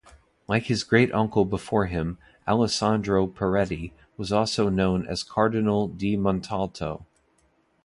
Like his great-uncle before him, Alessandro Peretti was also known as Cardinal di Montalto.